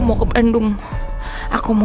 mafia dan dependencies mendahulkan